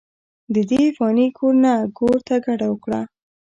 ددې فاني کور نه ګور ته کډه اوکړه،